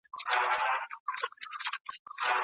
که رښتیا وي نو تعلیم نه خرابیږي.